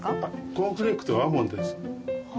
コーンフレークとアーモンドです。